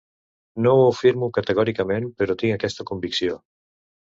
No ho afirmo categòricament, però tinc aquesta convicció.